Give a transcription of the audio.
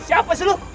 siapa sih lu